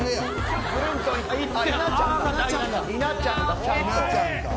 稲ちゃんが。